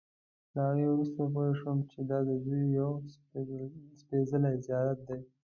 له هغې وروسته پوی شول چې دا ددوی یو سپېڅلی زیارت دی.